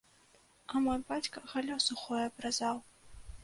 А мой бацька галлё сухое абразаў.